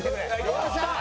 よっしゃー！